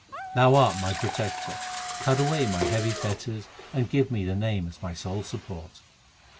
Thou art my Protector, cut away my heavy fetters, and give me the Name as my sole support.